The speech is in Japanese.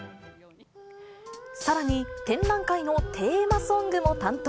さらに、展覧会のテーマソングも担当。